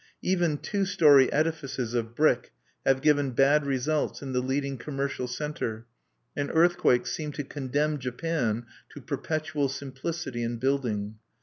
Even two story edifices of brick have given bad results in the leading commercial centre; and earthquakes seem to condemn Japan to perpetual simplicity in building.